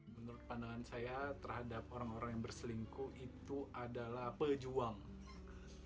menurut pandangan saya terhadap orang orang yang berselingkuh itu adalah pejuang